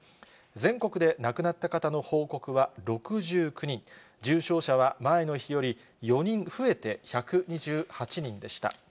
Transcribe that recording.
全国で亡くなった方の報告は６９人、重症者は前の日より４人増えて、１２８人でした。